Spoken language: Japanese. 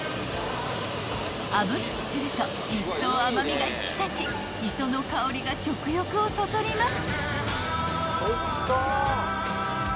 ［あぶりにするといっそう甘味が引き立ち磯の香りが食欲をそそります］